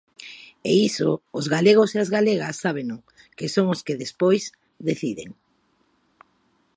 E iso os galegos e as galegas sábeno, que son os que despois deciden.